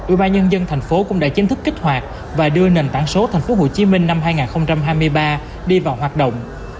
ủy ban nhân dân tp hcm cũng đã chính thức kích hoạt và đưa nền tảng số tp hcm năm hai nghìn hai mươi ba đi vào hoạt động